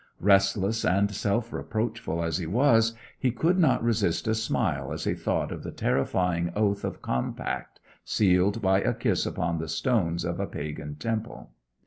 Restless and self reproachful as he was, he could not resist a smile as he thought of the terrifying oath of compact, sealed by a kiss upon the stones of a Pagan temple.